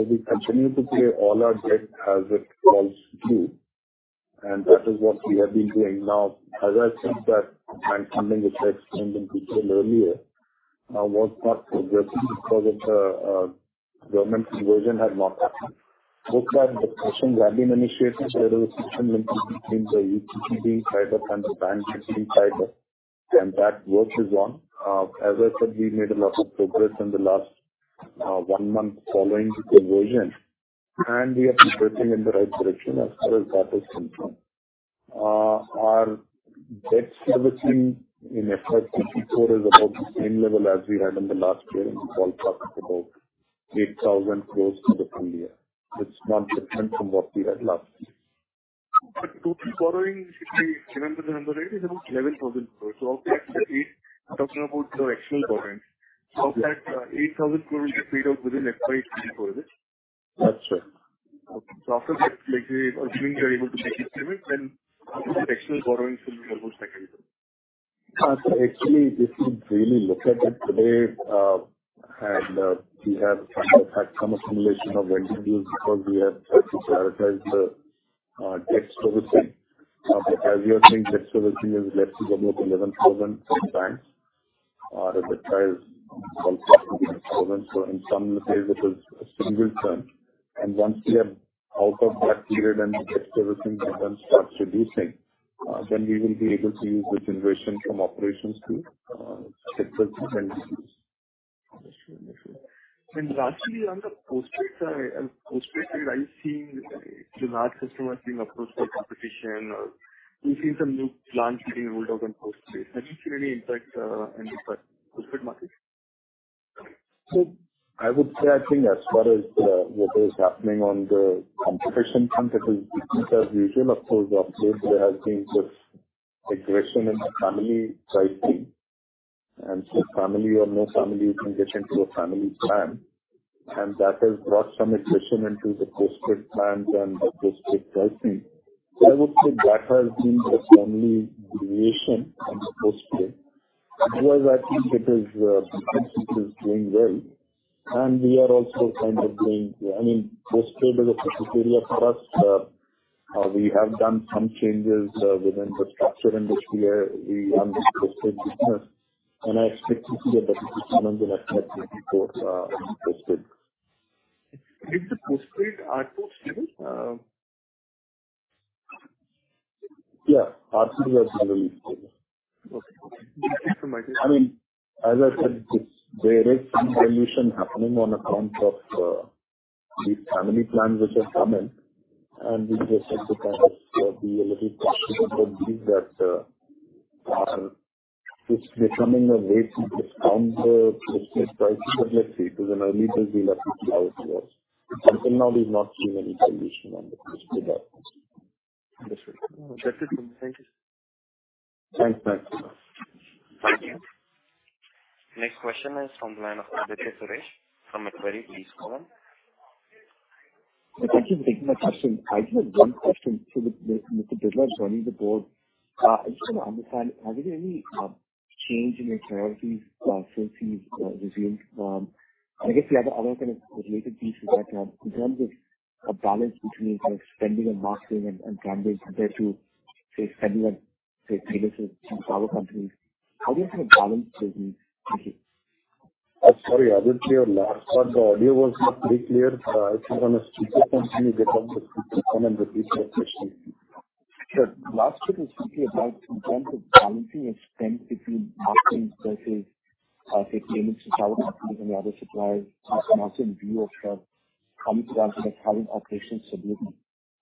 We continue to pay all our debt as it falls due, and that is what we have been doing. As I said, that bank funding, which I explained in detail earlier, was not progressing because of the government conversion had not happened. Both are the discussions were have been initiated, so there was discussion between the UPT type of and the bank 50 type of, and that work is on. As I said, we made a lot of progress in the last one month following the conversion, and we are progressing in the right direction as far as that is concerned. Our debt servicing in FY 2024 is about the same level as we had in the last year, and we call back about 8,000 crores for the full-year. It's not different from what we had last year. Total borrowing, if we remember the number, it is about INR 11,000 crores. Talking about your external borrowing, of that, INR 8,000 crores get paid off within FY 2024? That's right. Okay. After that, like, assuming you are able to make it payment, then the external borrowings will be almost like INR 80 crores? Actually, this is really look at it today, and we have had some accumulation of collectibles because we have tried to prioritize the debt servicing. As you are seeing, debt servicing has led to about INR 11,000 crores sometimes, or the trial is also INR 11,000 crores. In some ways it is a single term, and once we are out of that period and the debt servicing then starts reducing, then we will be able to use the generation from operations to settle some venues. Understood. Lastly, on the post paid, are you seeing large customers being approached for competition? We've seen some new plans being rolled out on post paid. How do you see any impact, in the post paid market? I would say, I think as far as what is happening on the competition front, it is business as usual. Of course, obviously, there has been some aggression in the family pricing. Family or no family, you can get into a family plan, and that has brought some aggression into the postpaid plans and the postpaid pricing. I would say that has been the only variation on the postpaid. Otherwise, I think it is doing well, and we are also kind of doing. I mean, postpaid is a particular for us. We have done some changes within the structure in which we understand the business, and I expect to see a better performance in postpaid. Did the postpaid ARPU stable? Yeah, ARPU are generally stable. Okay. I mean, as I said, there is some dilution happening on account of the family plans which have come in, and we just have to kind of be a little cautious about this that it's becoming a way to discount the price. Let's see, because in early it will be like two years, and until now we have not seen any solution on the post paid ARPU. Understood. That's it. Thank you. Thanks. Bye. Thank you. Next question is from the line of Aditya Suresh from Macquarie. Please go on. Thank you for taking my question. I just have one question for Mr. Birla joining the board. I just want to understand, has there been any change in your priorities since he's resumed? The other kind of related piece to that, in terms of a balance between kind of spending on marketing and branding compared to spending on premises to other companies. How do you kind of balance those needs? Thank you. I'm sorry, I didn't hear your last part. The audio was not pretty clear. If you want to speak up and continue, get on with the second and repeat your question. Sure. Last bit is simply about in terms of balancing expense between marketing versus, say, payments to tower companies and the other suppliers, marketing view of coming down to the current operation stability.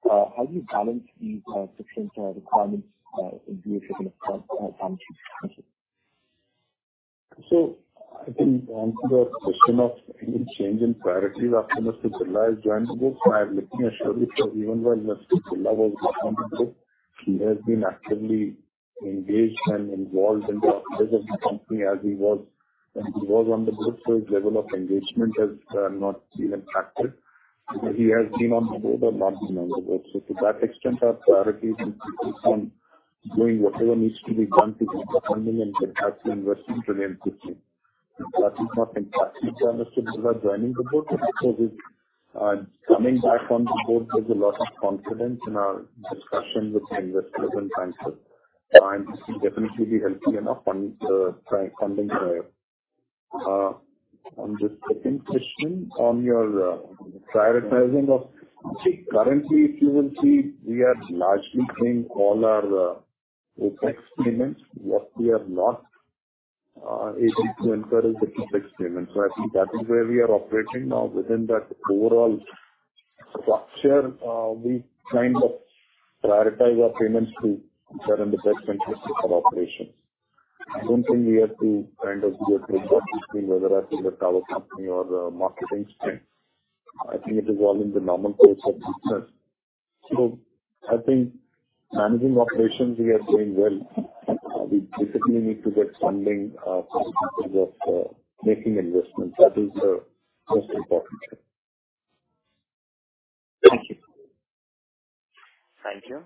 How do you balance these different requirements in view of certain functions? Thank you. I can answer your question of any change in priorities after Mr. Birla has joined the board. I am letting you assure you, sir, even while Mr. Birla was on the board, he has been actively engaged and involved in the affairs of the company as he was when he was on the board. His level of engagement has not been impacted. He has been on the board or not been on the board. To that extent, our priorities is on doing whatever needs to be done to keep the company and perhaps investing to the entity. That is not impacted by Mr. Birla joining the board. With coming back on the board, there's a lot of confidence in our discussions with the investors and banks. I'm definitely healthy enough on trying funding. On the second question on your prioritizing, currently, if you will see, we are largely paying all our OpEx payments. What we are not able to incur is the OpEx payments. I think that is where we are operating now. Within that overall structure, we kind of prioritize our payments to ensure in the best interest of our operations. I don't think we have to kind of get between whether I see the tower company or the marketing spend. I think it is all in the normal course of business. I think managing operations, we are doing well. We basically need to get funding for the purpose of making investments. That is most important. Thank you. Thank you.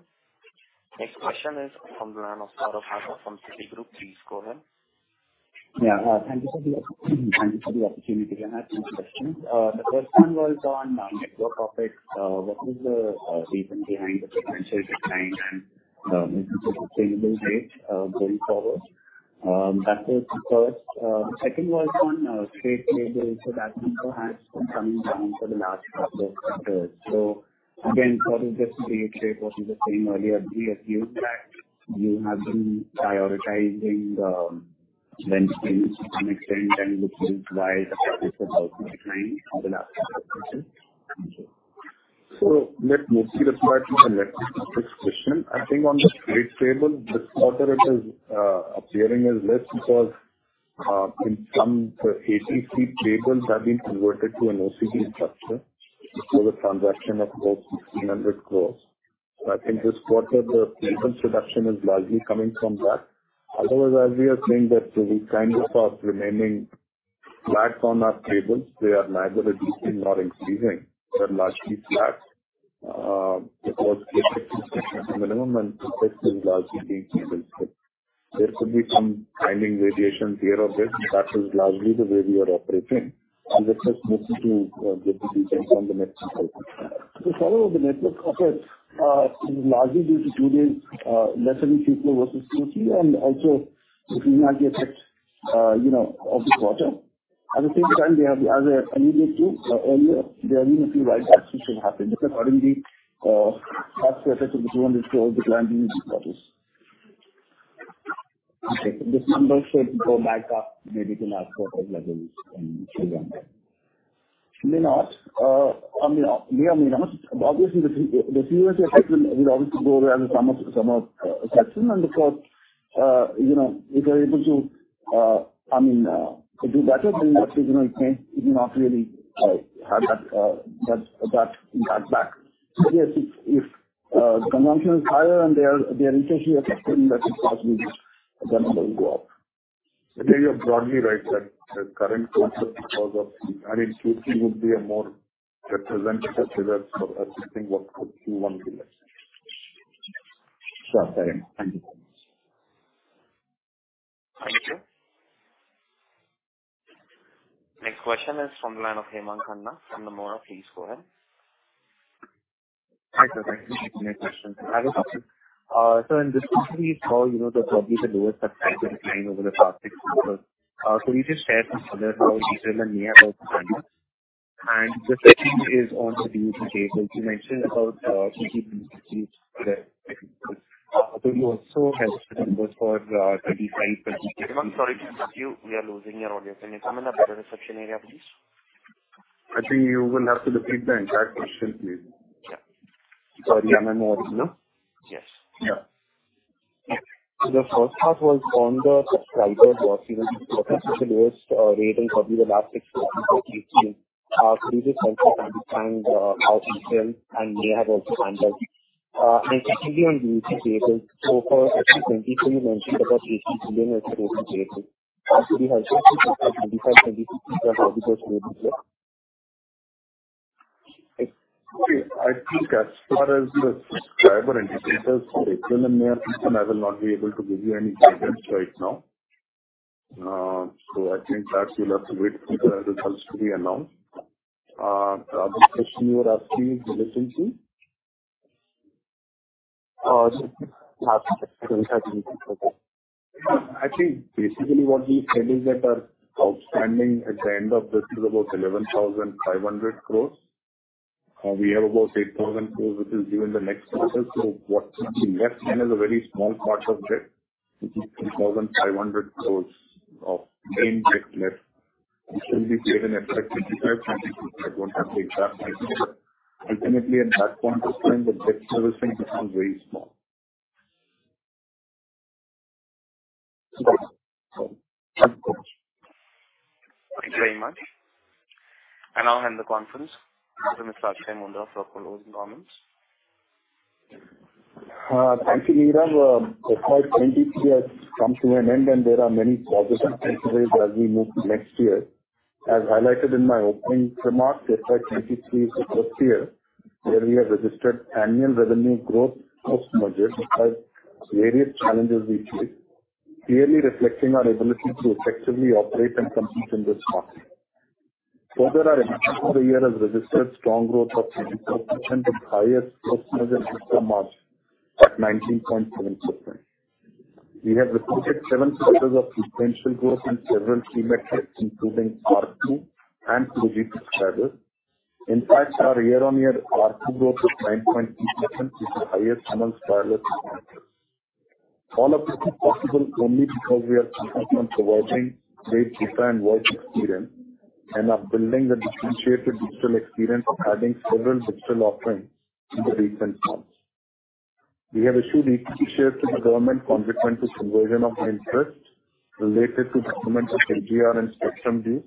Next question is from the line of Gaurav Rateria from Citigroup. Please go ahead. Yeah. Thank you for the opportunity. I have two questions. The first one was on network topics. What is the reason behind the potential decline and sustainable rate going forward? That was the first. The second was on trade table, so that people has been coming down for the last couple of years. Again, what is this trade shape? What you were saying earlier, we assume that you have been prioritizing then things to some extent, and which is why the service is about declining over the last couple of years. Thank you. Let mostly reply to the first question. I think on the trade table, this quarter it is appearing as less because in some ATC tables have been converted to an OCB structure for the transaction of both INR 1,600 crores. I think this quarter the payment reduction is largely coming from that. Otherwise, as we are saying that we kind of are remaining flags on our tables, they are neither decreasing nor increasing. They're largely flat because at a minimum, and effect is largely being handled. There could be some timing variations here or there, but that is largely the way we are operating, and let us mostly to get the details on the next call. To follow up the network, okay, largely due to two days, less than Q2 versus Q3, and also looking at the effect, you know, of this quarter. At the same time, we have, as I alluded to earlier, there have been a few right actions should happen. Just accordingly, after effects of this one is still declining in this process. Okay, this number should go back up, maybe to last quarter levels in Q1. May not, I mean, may or may not, obviously, the QFC effect will obviously go away as the summer session, and because, you know, if you're able to, I mean, do better than that, you know, it may, it may not really have that back. If consumption is higher and they are interestingly affecting, that is possibly the number will go up. You're broadly right, that the current quarter because of, I mean, Q3 would be a more representative result for assessing what could Q1 be like. Sure, thank you. Thank you. Next question is from the line of Hemang Khanna, from Nomura. Please go ahead. Hi, sir. Thank you for my question. I have a question. In this, we saw, you know, the probably the lowest subscriber decline over the past six months. You just shared some other how detail and may have also handled. The second is on the DUC cases, you mentioned about QTC. You also had numbers for 2025. Sorry to interrupt you. We are losing your audio. Can you come in a better reception area, please? I think you will have to repeat the entire question, please. Yeah. Sorry, am I audible? Yes. Yeah. The first part was on the subscriber loss, even the lowest rate in probably the last six months, could you just help us understand how Airtel and Vi have also handled? Secondly, on DUC cases. For FY 2023, you mentioned about INR 80 crores billion as the open cases. Could we have FY2025, FY2026? I think as far as the subscriber indicators for XL and May, I will not be able to give you any guidance right now. I think that you'll have to wait for the results to be announced. The other question you were asking, the licensing? Yes. I think basically what we said is that our outstanding at the end of this is about 11,500 crores. We have about 8,000 crores, which is due in the next quarter. What is left is a very small part of it, which is 3,500 crores of main debt left, which will be paid in effect, 55 crores. I don't have the exact number. Ultimately, at that point of time, the debt servicing is still very small. Thank you very much. I'll end the conference. Mr. Akshaya Moondra for closing comments. Thank you, Neerav. 2023 has come to an end. There are many positive indicators as we move to next year. As highlighted in my opening remarks, FY 2023 is the first year where we have registered annual revenue growth post-merger, despite various challenges we face, clearly reflecting our ability to effectively operate and compete in this market. Our end of the year has registered strong growth of 74%, the highest growth measure since the March at 19.7%. We have reported seven figures of potential growth in several key metrics, including R2 and logic subscribers. Our year-on-year R2 growth of 9.8% is the highest among FY 2022. All of this is possible only because we are focused on providing great data and work experience. Are building a differentiated digital experience of adding several digital offerings in the recent months. We have issued equity shares to the government, consequent to conversion of interest related to government of AGR and Spectrum D.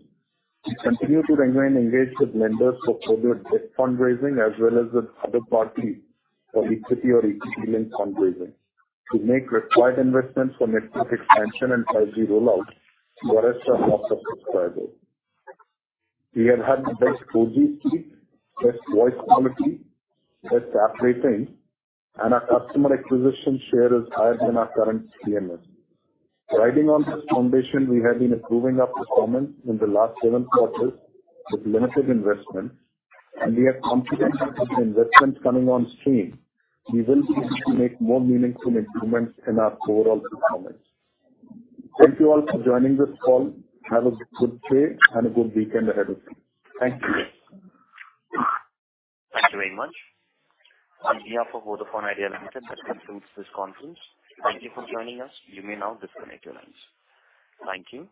We continue to engage with lenders for further debt fundraising, as well as with other party for equity or equity link fundraising, to make required investments for network expansion and 5G rollout to our subscribers. We have had the best 4G speed, best voice quality, best app rating. Our customer acquisition share is higher than our current CMS. Riding on this foundation, we have been improving our performance in the last seven quarters with limited investment. We are confident with the investment coming on stream. We will continue to make more meaningful improvements in our overall performance. Thank you all for joining this call. Have a good day and a good weekend ahead of you. Thank you. Thank you very much. On behalf of Vodafone Idea Limited, this concludes this conference. Thank you for joining us. You may now disconnect your lines. Thank you.